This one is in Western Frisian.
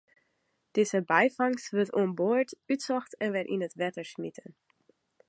Dizze byfangst wurdt oan board útsocht en wer yn it wetter smiten.